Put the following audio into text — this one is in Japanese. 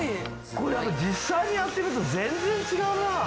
これやっぱ実際にやってみると全然違うな！